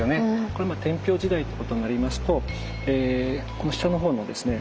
これまあ天平時代っていうことになりますとこの下の方のですね